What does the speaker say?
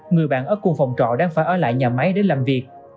người bạn ở khu vực phong tỏa đang phải ở lại nhà máy để làm việc